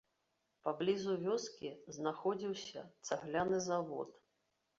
Паблізу вёскі знаходзіўся цагляны завод.